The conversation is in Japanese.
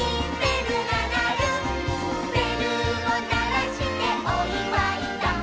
「べるをならしておいわいだ」